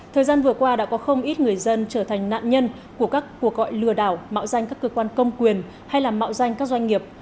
thời gian vừa qua đã có không ít người dân trở thành nạn nhân của các cuộc gọi lừa đảo mạo danh các cơ quan công quyền hay là mạo danh các doanh nghiệp